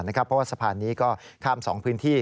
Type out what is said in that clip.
เพราะว่าสะพานนี้ก็ข้าม๒พื้นที่